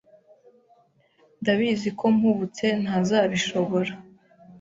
ndabizi ko mpubutse ntazabishobora